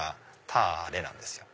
タレなんですよ。